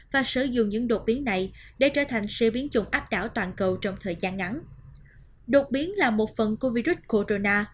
và sử dụng những đột biến này để trở thành siêu biến chùng áp đảo toàn cầu trong thời gian ngắn